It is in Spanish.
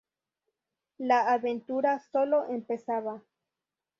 La aventura solo empezaba.